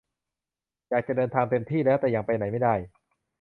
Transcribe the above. อยากจะเดินทางเต็มที่แล้ว แต่ยังไปไหนไม่ได้